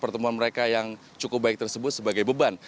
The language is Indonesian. pertemuan mereka yang cukup baik tersebut sebagai beban